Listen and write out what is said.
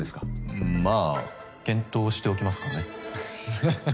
うんまあ検討しておきますかねははっ。